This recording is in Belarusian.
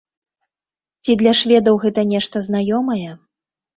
Ці для шведаў гэта нешта знаёмае?